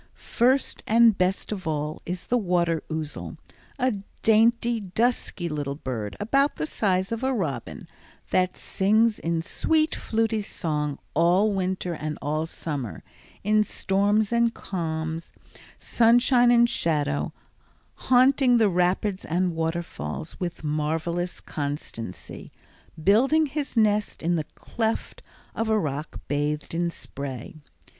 First and best of all is the water ouzel, a dainty, dusky little bird about the size of a robin, that sings in sweet fluty song all winter and all summer, in storms and calms, sunshine and shadow, haunting the rapids and waterfalls with marvelous constancy, building his nest in the cleft of a rock bathed in spray.